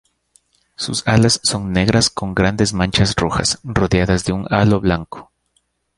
Sus alas son negras con grandes manchas rojas rodeadas de un halo blanco.